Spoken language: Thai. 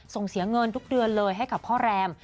ส่งเสียเงินทุกเดือนเลยให้กับพ่อแรม